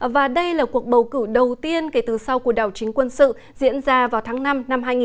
và đây là cuộc bầu cử đầu tiên kể từ sau cuộc đảo chính quân sự diễn ra vào tháng năm năm hai nghìn một mươi ba